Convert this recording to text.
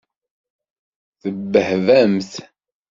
Tebbehbamt?